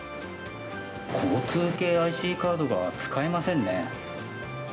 交通系ＩＣカードが使えませんね。